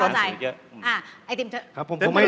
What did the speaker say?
อ่าเข้าใจ